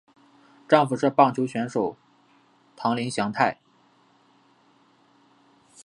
丈夫是棒球选手堂林翔太。